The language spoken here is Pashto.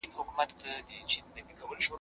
په قلم لیکنه کول موخي ته د رسیدو نقشه ده.